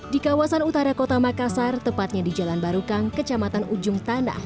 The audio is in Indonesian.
di kawasan utara kota makassar tepatnya di jalan barukang kecamatan ujung tanah